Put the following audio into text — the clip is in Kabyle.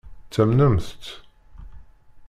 Ttamnent-tt.